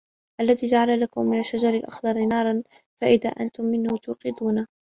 الَّذي جَعَلَ لَكُم مِنَ الشَّجَرِ الأَخضَرِ نارًا فَإِذا أَنتُم مِنهُ توقِدونَ